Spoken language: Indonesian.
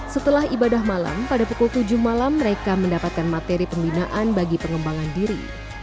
setelah ibadah malam pada pukul tujuh malam mereka mendapatkan materi pembinaan bagi pengembangan diri